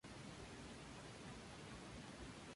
Es la fiesta grande del calendario albaceteño.